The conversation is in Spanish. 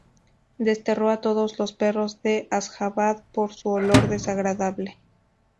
Desterró a todos los perros de Asjabad por "su olor desagradable".